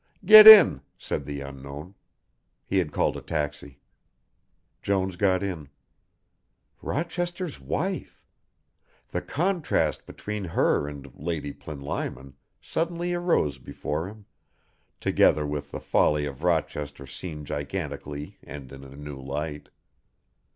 "Get in," said the unknown. He had called a taxi. Jones got in. Rochester's wife! The contrast between her and Lady Plinlimon suddenly arose before him, together with the folly of Rochester seen gigantically and in a new light.